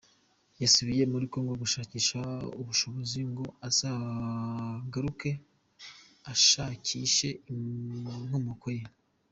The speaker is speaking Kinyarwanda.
Yasubiye muri Congo gushakisha ubushobozi ngo azagaruke ashakishe inkomoko ye.